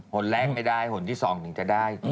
แรกไม่ได้หนที่๒ถึงจะได้